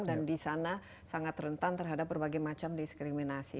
dan di sana sangat rentan terhadap berbagai macam diskriminasi